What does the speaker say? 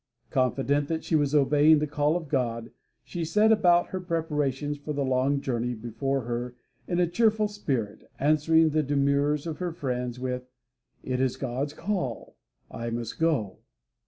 Confident that she was obeying the call of God, she set about her preparations for the long journey before her in a cheerful spirit, answering the demurs of her friends with, "It is God's call. I must go."